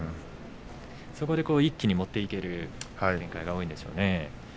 そこで一気に持っていける展開が多いんでしょうね。